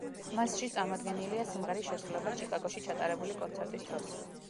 მასში წარმოდგენილია სიმღერის შესრულება ჩიკაგოში ჩატარებული კონცერტის დროს.